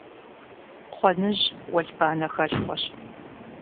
Кхъуэныжь уэлбанэ хэлъхуэщ.